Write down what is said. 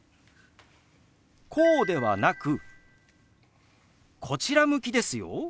こうではなくこちら向きですよ。